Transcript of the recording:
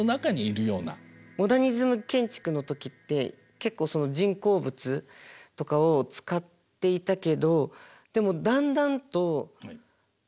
モダニズム建築の時って結構人工物とかを使っていたけどでもだんだんとまたこう。